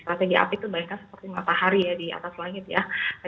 strategi api itu bayangkan seperti matahari ya di atas langit ya